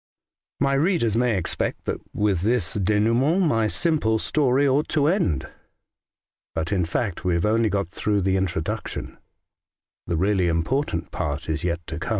My readers may expect that with this denou ment my simple story ought to end. But, in fact, we have only got through the introduction ; the really important part is yet to come.